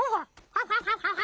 ハハハハハ。